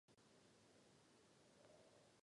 Za druhé, energetická bezpečnost.